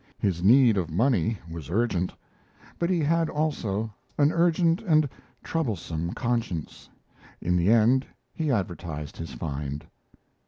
His need of money was urgent, but he had also an urgent and troublesome conscience; in the end he advertised his find.